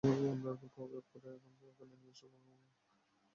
আমরা ওকে পাকড়াও করে এখানে নিয়ে আসবোখন।